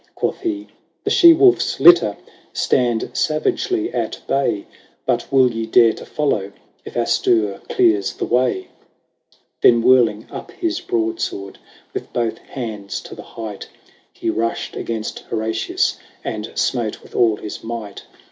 Quoth he, " The she wolf's litter Stand savagely at bay : But will ye dare to follow. If Astur clears the way ?" 66 LAYS OF ANCIENT ROME. XLIV. Then, whirling up his broadsword With both hands to the height, He rushed against Horatius, And smote with all his might.